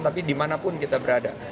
tapi dimanapun kita berada